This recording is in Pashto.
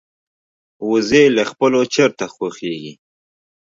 وزې له خپلو چرته خوښيږي